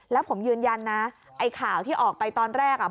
แล้วผมยืนยันนะไอ้ข่าวที่ออกไปตอนแรกอ่ะ